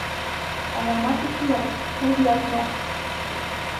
Алама кешелә һүҙ ятмаҫ.